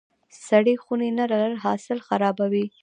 سړې خونې نه لرل حاصل خرابوي.